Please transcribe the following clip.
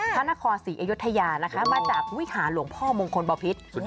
พระนครศรีอยุธยานะคะมาจากวิหารหลวงพ่อมงคลบพิษ